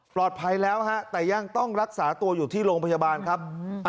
แล้วฮะแต่ยังต้องรักษาตัวอยู่ที่โรงพยาบาลครับ